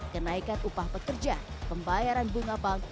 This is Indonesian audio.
kenaikan upah pekerja pembayaran bunga bank